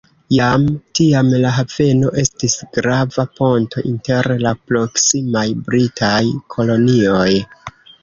Jam tiam la haveno estis grava ponto inter la proksimaj britaj kolonioj.